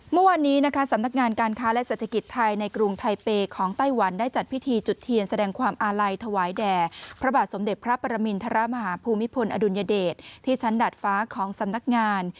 เมื่อวันนี้นะคะสำนักงานการค้าและเศรษฐกิจไทยในกรุงไทเปของไต้หวัน